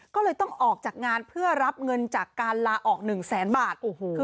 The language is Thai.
ก็เลยต้องออกจากงานเพื่อรับเงินจากการลาออก๑แสนบาท